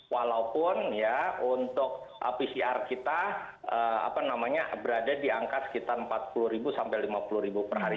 walaupun ya untuk pcr kita berada di angka sekitar empat puluh sampai lima puluh per hari